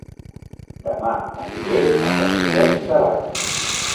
Dema aniré a Sant Llorenç Savall